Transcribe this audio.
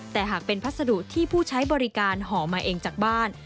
แต่หากเป็นพัสดุที่ผู้ใช้บริการห่อมาเองจากบ้าน